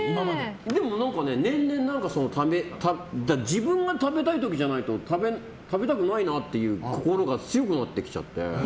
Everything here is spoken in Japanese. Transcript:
でも、年々自分が食べたい時じゃないと食べたくないなっていう心が強くなってきちゃって。